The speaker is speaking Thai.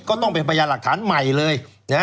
ก็เป็นพยานหลักฐานใหม่เลย